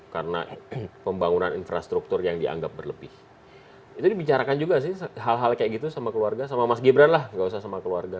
karena pembangunan infrastruktur yang dianggap berlebih itu dibicarakan juga sih hal hal kayak gitu sama keluarga sama mas gibran lah gak usah sama keluarga